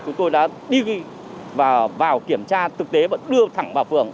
chúng tôi đã đi vào kiểm tra thực tế và đưa thẳng vào phường